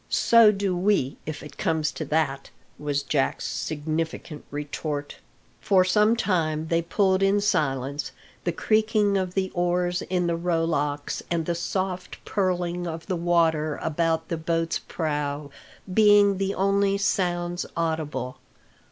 "So do we, if it comes to that," was Jacks significant retort, For some time they pulled in silence, the creaking of the oars in the rowlocks and the soft purling of the water about the boat's prow being the only sounds audible.